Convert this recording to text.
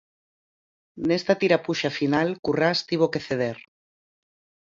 Neste tirapuxa final, Currás tivo que ceder.